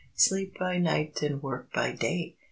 Sleep by night, and work by day!